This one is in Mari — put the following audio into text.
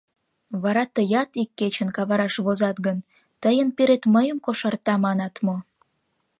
— Вара тыят ик кечын кавараш возат гын, «Тыйын пирет мыйым кошарта» манат мо?